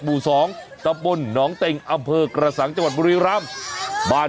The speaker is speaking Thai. หมู่สองตะปนหนองเต็งอำเภอกระสังจังหวัดบุรีรัมป์บ้าน